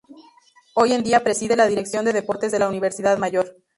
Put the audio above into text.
Hoy en día preside la dirección de deportes de la Universidad Mayor.